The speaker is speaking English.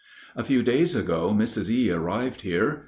A few days ago Mrs. E. arrived here.